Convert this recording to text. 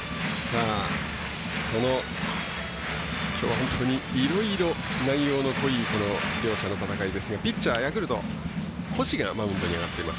きょうは本当にいろいろ内容の濃いこの両者の戦いですがピッチャー、ヤクルト星がマウンドに上がっています。